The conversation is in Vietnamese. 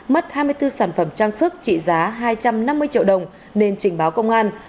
mất hai mươi bốn sản phẩm trang sức trị giá hai trăm năm mươi triệu đồng nên trình báo công an